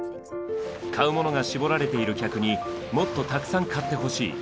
買うものが絞られている客にもっとたくさん買ってほしい。